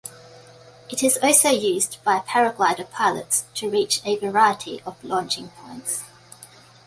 It is also used by paraglider pilots to reach a variety of launching points.